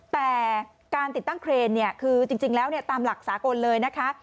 แต่การติดตั้งเครนเนี่ยคือจริงแล้วตามหลักสากลเลยนะคะ